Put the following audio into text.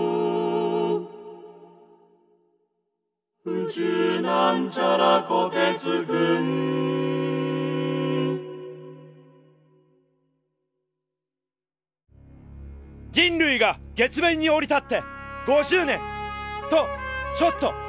「宇宙」人類が月面に降り立って５０年。とちょっと！